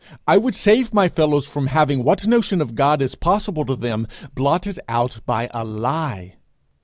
I would save my fellows from having what notion of God is possible to them blotted out by a lie.